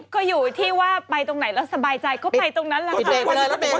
ก็อยู่ที่ว่าไปตรงไหนแล้วสบายใจก็ไปตรงนั้นแหละค่ะ